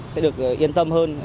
sẽ được yên tâm hơn